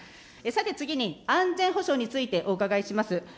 さて次に、安全保障についてお伺いします。